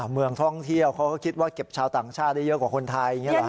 เมืองท่องเที่ยวเขาก็คิดว่าเก็บชาวต่างชาติได้เยอะกว่าคนไทยอย่างนี้หรอ